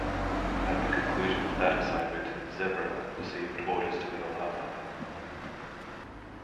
At the conclusion of that assignment, "Zebra" received orders to Pearl Harbor.